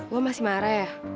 gua masih marah ya